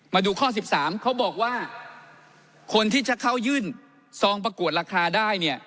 มาดูข้อ๑๓เขาบอกว่าคนที่จะเข้ายื่นซองประกวดราคาได้เนี่ย